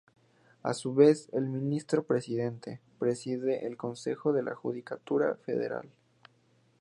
A su vez, el Ministro Presidente, preside el Consejo de la Judicatura Federal.